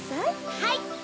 はい。